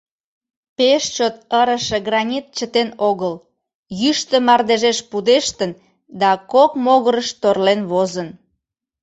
Пеш чот ырыше гранит чытен огыл: йӱштӧ мардежеш пудештын да кок могырыш торлен возын.